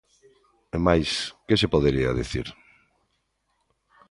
E máis que se podería dicir...